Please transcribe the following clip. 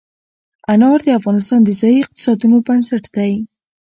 انار د افغانستان د ځایي اقتصادونو بنسټ دی.